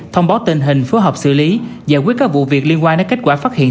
thông báo tình hình phối hợp xử lý giải quyết các vụ việc liên quan đến kết quả phát hiện